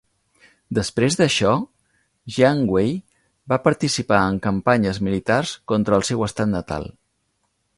Després d'això, Jiang Wei va participar en campanyes militars contra el seu estat natal.